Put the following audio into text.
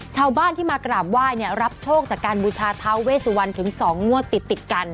ชาวบ้านที่มากราบไหว้รับโชคจากการบุชาเท้าเวสุวรรณถึงสองมั่วติดกัน